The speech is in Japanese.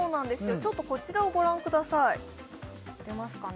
ちょっとこちらをご覧ください出ますかね？